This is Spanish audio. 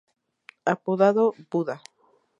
Apodado "Buda".